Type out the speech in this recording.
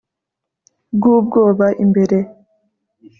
bw'ubwoba imbere